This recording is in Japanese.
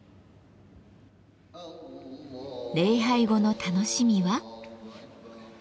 礼拝後の楽しみは？